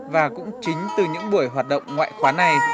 và cũng chính từ những buổi hoạt động ngoại khóa này